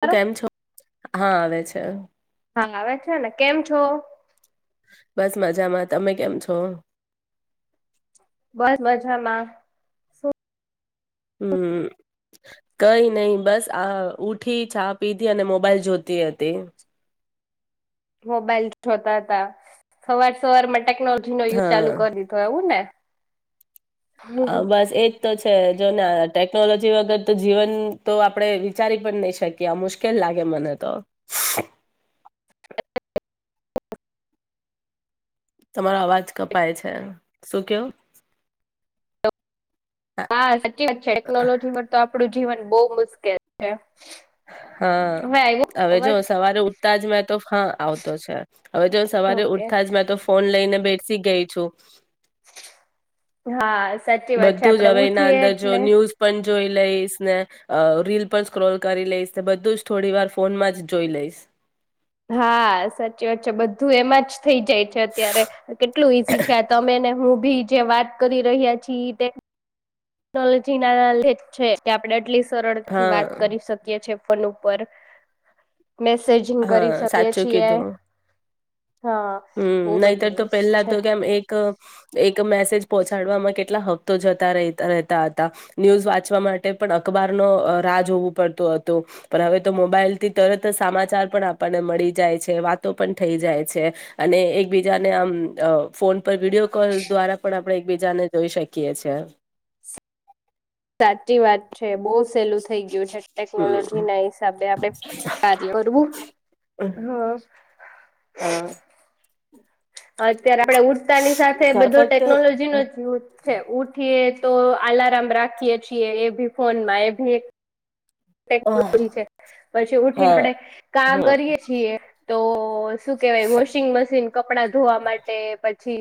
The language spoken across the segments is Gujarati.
તું કેમ હા છો હા આવે છે. છે. હા આવે છે ને કેમ છો. બસ મજામાં તમે કેમ છો. બસ મજામાં શું હમ કઈ નય બસ આ ઊઠી ચા પીધી અને મોબાઈલ જોતી હતી મોબાઈલ જોતા હતા સવાર સવાર મા ટેકનોલોજી નોયુઝ હા ચાલુ કરી દીધો એવું ને હ બસ એજ તો છે જોને ટેકનોલોજી વગર તો જીવન તો આપડે વિચારી પણ નહી શકીએ મુશ્કેલ લાગે મને તો તમારો અવાજ કપાય છે શું કેવો હા સાચી વાત છે ટેકનોલોજી તો આપડું જ જીવન બોવ મુશ્કેલ છે. હવે આવ્યો હા હવે જો અવાજ સવારે ઉઠતા જ મે તો હા આવતો છે હવે જો સવારે ઓકે ઉઠતા જ મે તો ફોન લઈને બેઠ સી ગઈ છું. હા સાચી વાત છે બધું જ આપડે હવે એના ઉઠીએ અંદર જો એટલે ન્યૂઝ પન જોઈ લઈશ ને અ રીલ પણ સ્ક્રોલ કરી લઈશ ને બધું જ થોડી વાર ફોનમાં જ જોઈ લઈશ હા સાચી વાત છે બધું એમાં જ થઈ જાય છે અત્યારે કેટલું ઈઝી છે આ તમેને હું ભી જે વાત કરી રહ્યા છીએ તે ટેક્નોલોજી ના લ છે આપે એટલીસ્ટ સરળ થી વાત હા કરી શકીએ છીએ ફન ઉપર મેસેજિંગ હા કરી શકીએ સાચું છીએ કીધું હા હમ બહુ નહીતર બધું તો એ પહેલા છે તો કેમ એક એક મેસેજ પહોંચાડવામાં કેટલા હક તો જતા રતા રહેતા હતા ન્યૂઝ વાંચવા માટે પણ અખબાર નો રાહ હોવું પડત હતું પણ હવે તો મોબાઈલ થી તરત સમાચાર પણ આપણને મળી જાય છે વાતો પણ થઈ જાય છે અને એકબીજાને આમ ફોન પર વિડીયો કોલ દ્વારા પણ આપણે એકબીજાને જોઈ શકીએ છેએ સાચી વાત છે બહુ સહેલું થઈ ગયું છે ટેકનોલોજી ના હિસાબે આપે કાર્ય કરવું હ હા અત્યારે આપડે ઉઠતાની સાથે કા બધો ફક્ત ટેકનોલોજી નો જ યુ છે ઉઠીએ તો આલારમ રાખીએે છીએ એ ભી ફોન માં એ ભી એક ટેકનોલોજી છે પછી ઉઠીને હા આપણે કામ હમ કરીએ છીએ તો શું કેહેવાય વોશિંગ મશીન કપડા ધોવા માટે પછી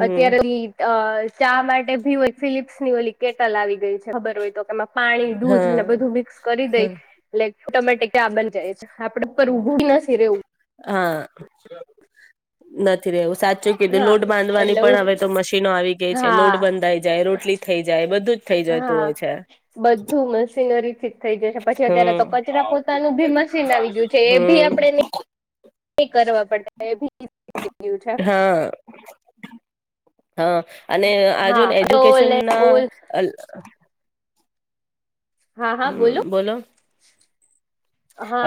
હમ અત્યારે ચા માટે ભી હોય ફિલિપ્સ ની ઓલી કેટલ આવી ગઈ છે ખબર હોય તો કેમાં પાણી દૂધ અને હા બધું મિક્સ કરી દઈ એટલે ઓટોમેટીક ચા બન કરીએ આપડે પર ઉભું નથી રહેવું હ [unintelligible] નથી રહેવુ સાચું કીધું હા લોડ બાંધવાની એટલે પણ હવે તો મશીનો આવી ગઈ છે હા લોડ બંધાઈ જાય રોટલી થઈ જાય બધું જ થઈ જતું હા હોય છે બધું મશીનરી થી જ થઈ જશે પછી અત્યારે તો હમ કચરા પોતાનું ભી મશીન આવી ગયું છે એ ભી હમ આપણે નહી કરવા પડે એ ભી ગયું છે હા હા અને આ જો હા તો એજ્યુકેશન ના ઓ હા હા હમ બોલો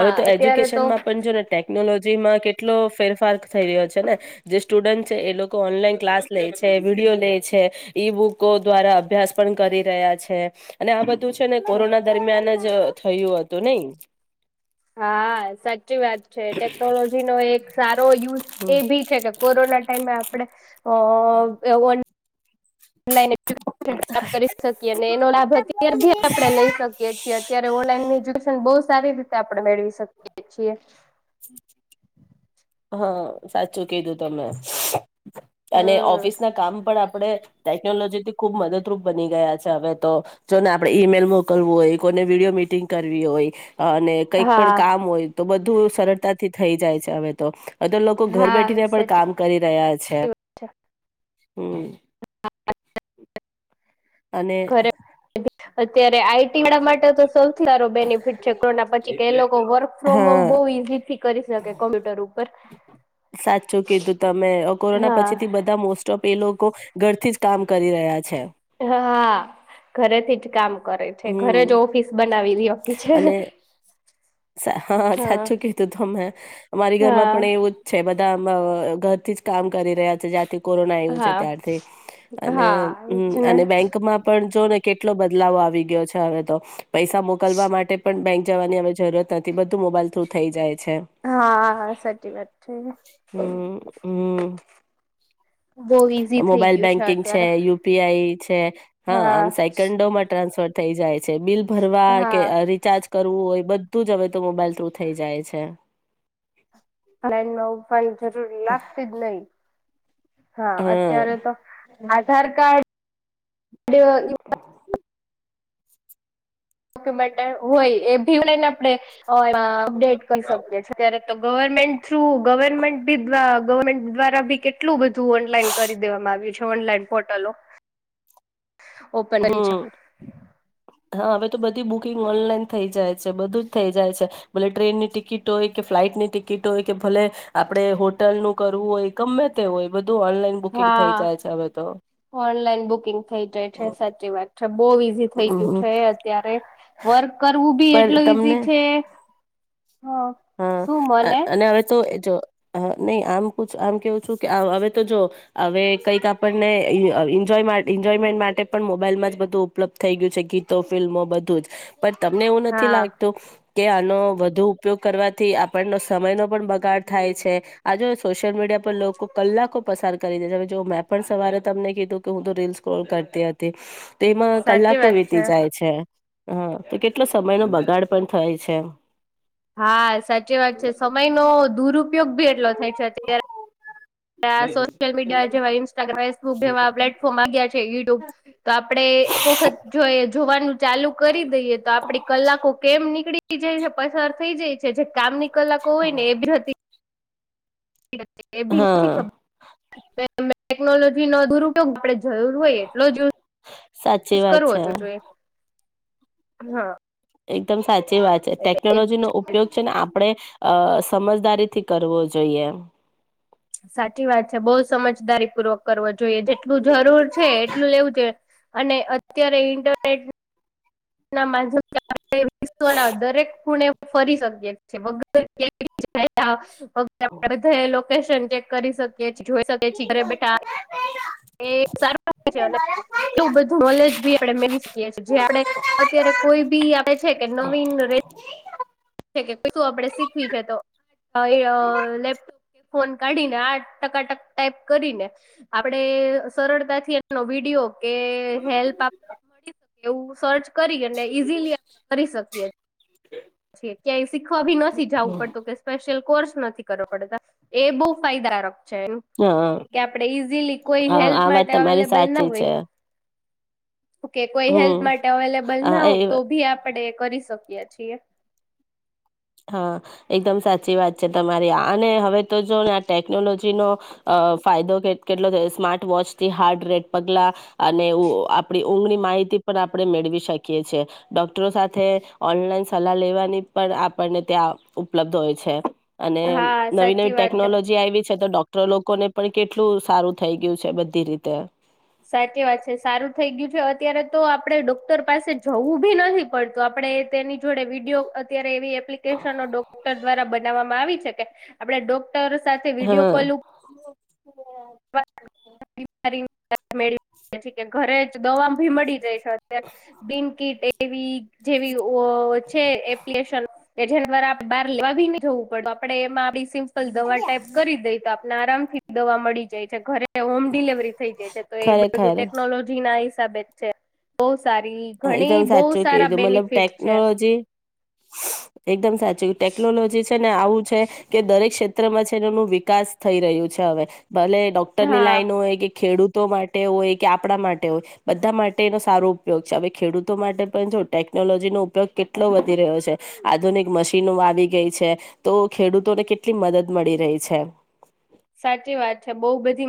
હવે તો અત્યારે એજ્યુકેશન તો માં પણ જો ને ટેક્ ટેકનોલોજીમાં કેટલો ફેરફાર થઈ રહ્યો છે ને જે સ્ટુડન્ટ છે એ લોકો ઓનલાઈન ક્લાસ લે છે વિડીયો લે છે ઈ બુકો દ્વારા અભ્યાસ પણ કરી રહ્યા છે અને આ બધ બધુ છે ને કોરોના દરમિયાન જ જ થયું હતું નય હા સાચી છે ટેકનોલોજી નો એક સા તો યુઝ હમ. એ ભી છે કે કોરોના ટાઈમે આપણે અ એવો ઓનલાઇન [inaudible] પ્રાપ્ત કરી શકીએ ને લાભ અત્યારે બી આપણે લઈ શકીએ છીએ અત્યારે ઓનલાઈન એજ્યુકેશન બોવ સારી રીતેતે આપણે મેળવી શકીએ છીએ હા સાચું કીધું તમે અને ઓફિસ ના હમ કામ પણ આપ આપણે ટેકનોલોજીથી ખુબ મદદરૂપ બની ગયા છે હવે તો જોને આપડે ઈમેલ મોકલવું હોય કોઈને વિડીયો મિટિંગ કરવી હોય અને કંઈક પણ હા કામ હોય તો બધું સરળતાથી થઈ જાય છે હવે તો અવે તો લોકો ઘર હા બેઠીને પણ સાચી વાત કામ કરી રહ્યા છે. હમ અને ઘરે અત્યારે આઈટી વાળા માટે તો સૌથી સારો બેનિફિટ છે કોરોના પછી કે એ લોકો વર્ક ફ્રોમ હોમ બહુ હા ઈઝીથી કરી શકે કોમ્પ્યુટર ઉપર સાચું કીધું તમે હા કો ઘરથી જ કામ કરી રહ્યા છે. હ હા ઘરેથી જ કામ કરે છે ઘરે જ હમ ઓફિસ બનાવી દી આપી છે અને હા સાચું કીધું તો અમે અમારી ઘરમાં હા પણ એવું જ છે. બધા આમ ઘરથી જ કામ કરી રહ્યા છે જાતે કોરોના આયવો છે હા ત્યારથી હા એજ ને અને બેંકમાં પણ જોને કેટલો બદલાવ આવી ગયો છે હવે તો પૈસા મોકલવા માટે પણ બેંક જવાની હવે જરૂરત નથી બધું મોબાઈલ થ્રુ થઈ જાય છે હા સાચી વાત છે હમ હમ બોવ ઈઝી થઈ મોબાઈલ ગયું છે બેંકિંગ અત્યારે યુપીઆઈ હા આમ સાયકન્ડોમાં ટ્રાન્સફર થઈ જાય. છે બિલ ભરવા કે હા રિચાર્જ કરવું હોય બ ધુ જ હવે તો મોબાઈલ થ્રુ થઇ જાય છે. હ નવ પણ જરૂર લાગતી જ નહીં. હા હ અત્યારે તો આધાર કાર્ડ [unintelligible] ડોકયુમેન્ટ હોય એ ભીવ લઈને આપડે અપડેટ કહી શકીએ છીએ અત્યારે તો ગવર્મેન્ટ તુ ગવર્મેન્ટ બીધવા ગવર્મેન્ટ દ્વારા બી કેટલું બધું ઓનલાઈન કરી દેવામાં આવ્યું છે ઓનલાઈન પોર્ટલો ઓપનરી છે. હમ હા હવે તો બધી બુકિંગ ઓનલાઈન થઈ જાય છે બધું જ થઈ જાય છે ભલે ટ્રેનની ટિકિટ હોય કે ફ્લાઈટ ની ટિકિટ હોય કે ભલે આપડે હોટલનું કરવું હોય ગમે તે હોય બધું ઓનલાઈન બુકિંગ થઈ હા, જાય છે હવે તો. ઓનલાઈન બુકિંગ થઈ જાય છે હમ, સાચી વાત છે બહુ ઈઝી થઈ થઈ હમ. ગયું અત્યારે વર્ક કરવું બી પર એટલું તમને ઈઝી છે. શું હા મને અને હવે તો જો નહી આમ પૂછ આમ કેવું છું કે હવે તો જો અવે કઈક આપણે ઈનેન્જોય એન્જોયમેન્ટ માટે પણ મોબાઈલમાં જ બધું ઉપલબ્ધ થઈ ગયું છે ગીતો ફિલ્મો બધું જ. પણ તમને એવું નથી હા લાગતું કે આનો વધુ ઉપયોગ કરવાથી આપણનો સમયનો પણ બગાડ થાય છે આ જો સોશિયલ મીડિયા પર લોકો કલાકો પસાર કરી દે છે જો મેં પણ સવારે તમને કીધું કે હું તો રીલ સ્કોલ કરતી હતી તેમાં સાચી કલાકો વાત વીતી જાય છે. હા તો કેટલો સમયનો બગાડ પણ થાય છે એમ. હા, સાચી વાત છે સમયનો દૂરપ ઉપયોગ ભી એટલો થાય છે અત્યારે. સોશિલ મીડિયા જેવા ઇન્સ્ટ્રાગ્રામ, ફેસબુક જેવા પ્લેટફોર્મમાં ગયા છે. યૂ ટ્યૂબ તો આ આપણે એક વખત જોયે જોવાનું ચાલુ કરી દઈએ તો આપડી કલાકો કેમ નીકળી પસાર થઈ જય છે જે કામ ની કલાકો હોય ને એ બી જતી એ બી નથી હા ખબર ત ટેકનોલોજી નો દુર ઉપયોગ આપડે જરૂર હોય એટલો જ સાચી યુઝ વાત કરવો છે. જોઈએ હા. એકદમ સાચી ચી વાત છે ટેકનોલોજીનો એ ઉપયોગ છે ને આપણે અ સમજદારીથી કરવો જોઈએ. સાચી વાત છે બહુ સમજદારી પૂર્વક કરવો જોઈએ જેટલું જરૂર છે એટલું લેવું જોઈએ અને અત્યારે ઇન્ટરનેટ ના માધ્યમ થી આપડે [unintelligible] દરેક ખુણે ફરી શકીએ [unintelligible] [unintelligible] લોક [unintelligible] કરી શક જોઈ શકીયે ઘરે બેઠા એ સારુ છે એવું બધું નોલેજ આપ મેળવી શકીએએ જે આપડણે અત્યારે કોઈ બી આપે છે કે નવીન ર કે શું આપે શીખવી છે તો અ લેપટોપ કે ફોન કાઢીને આ ટકાટક ટાઈપ કરીને આપડે સરળતાથી એનો વિડીયો કે હેલ્પ આપ મળી શકે એવું સર્ચ કરીને ઈઝીલી આપણે કરી શકીએ. છે ક્યાંય શીખવા ભી નથી જવું પડતું કે સ્પેશિયલ કોર્સ નથી કરવો પડ તા એ બહુ ફાયદાારક છે હા કે આપણેે ઈઝીલી કોઈ હા હેલ્પ આ વાત માટે તમારી અવેલેબલ ના સાચી હોય છે ઓકે કોઈ હેલ્પ હમ માટે અવેલેબલ હા ના હોય એ તો ભી આપડે કરી શકીએ છે એ. હા એકદમ સાચી વાત છે તમારી આ અને હવે તો જો ને આ ટેકનોલોજીનો અ ફાયદો કેટલો થ સ્માર્ટ વોચથી હાર્ડ રેટ પગલાં અને આપણી ઊંઘની માહિતી પણ આપણે મેળવી શકીએ છેીએ ડોક્ટરો સાથે ઓનલાઈન સલાહ લેવાની પણ આપણને ત્યાં ઉપલબ્ધ હોય છે. અને હા નવી નવી સાચી વાત છે ટેકનોલોજી આયવી છે તો ડોક લોકોને પણ કેટલું સારું થઈ ગયું છે બધી રીતે. સાચી વાત છે સારું થઈ ગયું છે અત્યારે તો આપડે ડોક્ટર પાસે જવું બી નથી પડતું આપડે તેની જોડે વિડીયો અત્યારે એવી એપ્લિકેશનો ડોક્ટર દ્વારા બનાવવામાં આવી છે. આપડે ડો ક્ટર સાથે વિડિયો હા કોલ [unintelligible] [unintelligible] ઘરે જ દવા ભી મળી જાય. બિનકિટ એવી જેવીઓ ઓ છે એપ્લિકેશન જર દ્વારા બાર લેવા ભી ન જવું પડ આપડે એમાં આપડી સિમ્સ લ દવા ટાઈપ કરી દઈ તો આપણે આરામથી દવા મળી જાય છે ઘરે હોમ ડિલવરી થઈ જાય છે તો એ બધું ખરેખર ટેકનોલોજી ના તા બેચ છેે બઉ સારી ઘણી એકદમ બહુ સાચું સારા કીધું મતલબ બેનિફિટ છે. ટેકનોલોજી એકદમ સાચું ટેકનોલોજી છે ને આવું છે કે દરેક ક્ષેત ત્રમાં છે એનું વિકાસ થઈ રહ્યું છે હવે. ભલે ડોક્ટર ની હા. લાઈન હોય કે ખેડૂત તો માટે હોય કે આપડા માટે હોય બધા માટે એનો સારો ઉપયોગ છે. ખેડૂતો માટે પણ જો ટેકનોલોજીનો ઉપયોગ કેટલો વધી રહ્યો છે આધુનિક મશીનો આવી ગઈ છે તો ખેડૂતોને કેટલી મદદ મળી રહી છે. સાચી વાત છે બઉ બધી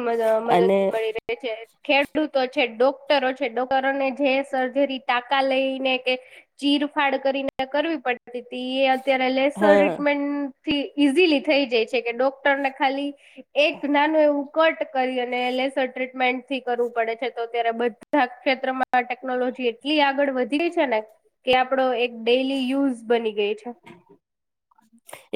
અને મદદ મળી રહી છે ખેડૂતો છે ડો ક્ટરો છે ડોક્ટરોને જે સર્જરી ટાકા લઈને કે ચીરફાડ કરીને કરવી પડતી હતી એ ત્યારે લેસ હા ટ્રીટમેન્ટ થી ઈઝીલી થઈ જાય છે કે ડોક્ટરને ખાલી એક નાનું એવું કટ કરી અને લેસર ટ્રીટમેન્ટ થી કરવું પડે છે તો ત્યારે બધા ક્ષેત્રમાં ટેકનોલોજી એટલી આગળ વધી છે ને કે આપડો એક ડેલી યુઝ બની ગય છે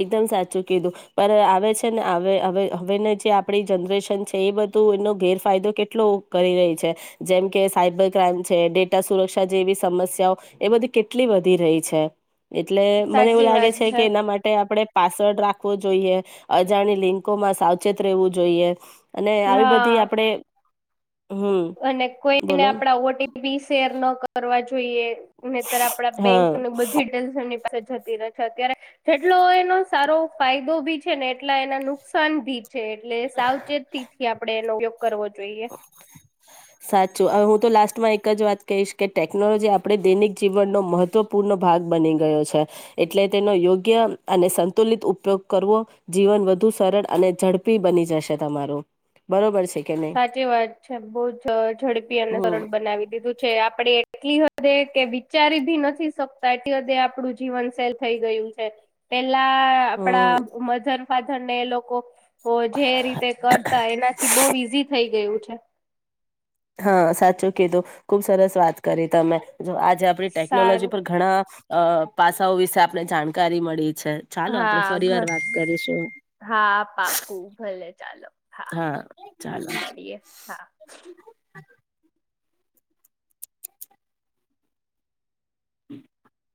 એકદમ સાચું કીધું પણ આવે છે ને હવે હવે ન જે આપડી જનરેશન છે એ બધું એનો ગેરફાયદો કેટલો કરી રહી છે જેમ કે સાયબર ક્રાઈમ છે ડેટા સુરક્ષા જે એવી સમસ્યાઓ એ બધી કેટલી વધી રહી છે એટલે મને એવું સાચી લાગે વાત છે કે એના માટે આપડે પાસવર્ડ રાખવો જોઈએ અજાણી લિંકોમાં સાવચેત રહેેવું જોઈએ. અને આવી હા બધી આપડે અને કોઈને આપડા ઓટીપી શેર ન કરવા જો ઈએ નેતર આપડા હા બેંકની બધી ટેલ્સ એની પા જતી રહે છે અત્યારે જેટલો એનો સારો ફાયદો ભી છે ને એટલા એને નુકસાન ભી ચે એટલે સાવચેતીથી આપડે એનો ઉપયોગ કરવો જોઈએ. સાચું હું તો લાસ્ટમાં એક જ વાત કહીશ કે ટેકનોલોજી આપડે દૈનિક જીવનનો મહત્વપૂર્ણ ભાગ બની ગયો છે એટલે તેનો યોગ્ય અને સંતુલિત ઉપયોગ કરવો જીવન વધુ સરળ અને ઝડપી બની જશે તમારુ બરોબર છે કે નહી સાચી વાત છે બોવ જ ઝડપી અને હમ સરળ બનાવી દીધું છે આપડે એટલી હદે કે વિચારી ભી નથી શકતા એટલી હદે આપડું જીવન શેલ થઈ ગયું છે. પેલા આપડા હમ વજન ફાધરને એ લોકો ઓ જે રીતે કરતા એનાથી બોવી થઈ ગયું છે. હા સાચું કીધું ખુબ સરસ વાત કરી તમે જો આજે આપડી ટેકનોલોજી સારું પર ઘણા અ પાસાઓ વિશે આપને જાણકારી મળી છે ચાલો હા આપણે ફરી વાર ઘ વાત કરીશું હા પાકુ ભલે ચાલો હા ચાલ મળીએ હા [inaudible]